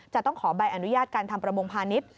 จะต้องขอใบอนุญาตการทำประมงพาณิชย์